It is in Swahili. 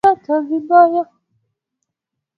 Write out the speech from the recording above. Kisu kilimkata vibaya